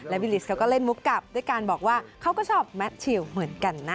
บิลิสเขาก็เล่นมุกกลับด้วยการบอกว่าเขาก็ชอบแมทชิลเหมือนกันนะ